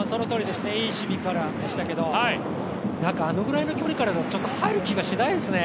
いい守備からでしたけど、あのくらいの距離からだとちょっと入る気がしないですね。